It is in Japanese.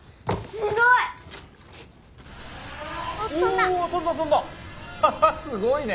すごいね